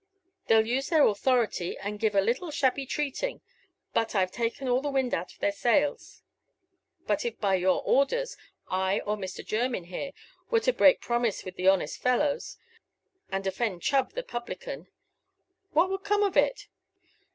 They'll use their authority, and give a little shabby treating, but I've taken all the wind out of their sails. But if, by your orders, I or Mr. Jermyn here were to break promise with the honest fellows, and offend Chubb the publican, what would come of it?